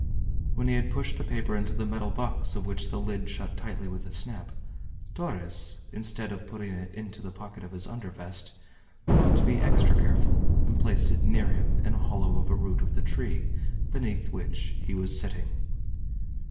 When he had pushed the paper into the metal box, of which the lid shut tightly with a snap, Torres, instead of putting it into the pocket of his under vest, thought to be extra careful, and placed it near him in a hollow of a root of the tree beneath which he was sitting.